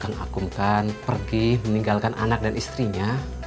kang akung kan pergi meninggalkan anak dan istrinya